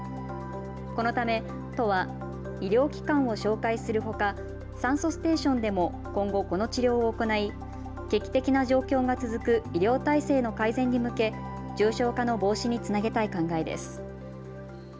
このため、都は医療機関を紹介するほか酸素ステーションでも今後この治療を行い危機的な状況が続く医療体制の改善に向け重症化の防止につなげたい考えです。